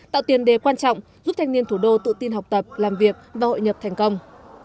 tạo tiền đề quan trọng giúp thanh niên thủ đô tự tin học tập làm việc và hội nhập thành công